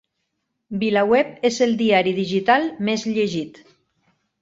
VilaWeb és el diari digital més llegit